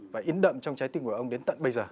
và in đậm trong trái tim của ông đến tận bây giờ